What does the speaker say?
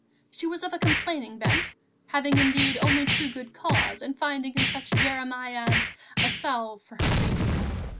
She was of a complaining bent, having indeed only too good cause and finding in such jeremiads a salve for her griefs.